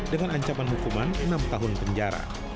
dengan ancaman hukuman enam tahun penjara